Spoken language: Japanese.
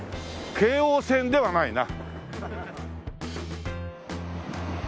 京王線ではないな。